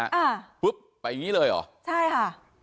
อ่าปุ๊บไปอย่างงี้เลยเหรอใช่ค่ะ